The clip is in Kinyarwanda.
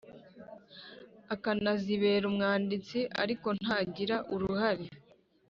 Akanazibera umwanditsi ariko ntagira uruhare